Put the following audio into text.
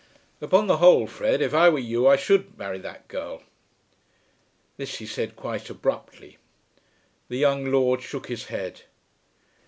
"Upon the whole, Fred, if I were you I should marry that girl." This he said quite abruptly. The young lord shook his head.